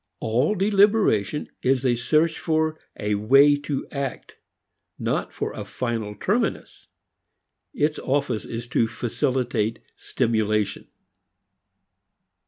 All deliberation is a search for a way to act, not for a final terminus. Its office is to facilitate stimulation.